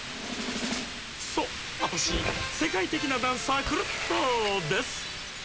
そうアタシせかいてきなダンサークルットです！